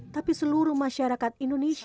tapi seluruh masyarakat indonesia